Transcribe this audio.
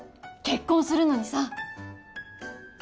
結婚するのにさ